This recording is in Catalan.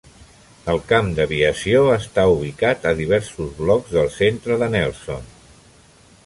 El camp d'aviació està ubicat a diversos blocs del centre de Nelson.